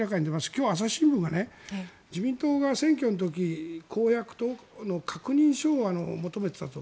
今日、朝日新聞が自民党が選挙の時に公約と確認書を求めていたと。